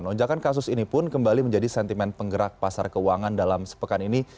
lonjakan kasus ini pun kembali menjadi sentimen penggerak pasar keuangan dalam sepekan ini